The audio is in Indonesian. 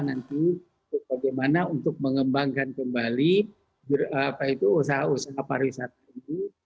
nanti bagaimana untuk mengembangkan kembali usaha usaha pariwisata itu